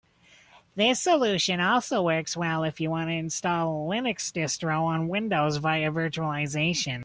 This solution also works well if you want to install a Linux distro on Windows via virtualization.